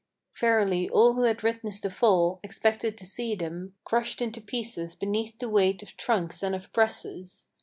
Verily all who had witnessed the fall, expected to see them Crushed into pieces beneath the weight of trunks and of presses.